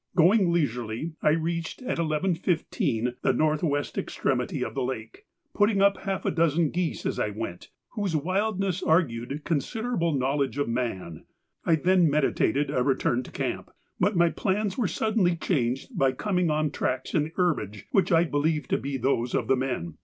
Going leisurely, I reached at 11.15 the north west extremity of the lake, putting up half a dozen geese as I went whose wildness argued considerable knowledge of man. I then meditated a return to camp, but my plans were suddenly changed by coming on tracks in the herbage which I believed to be those of the men.